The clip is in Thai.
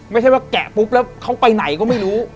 ไม่ใช่ว่าแกะปุ๊บแล้วเขาไปไหนก็ไม่รู้